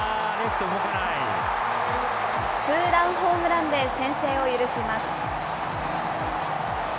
ツーランホームランで、先制を許します。